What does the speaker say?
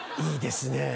いいですね。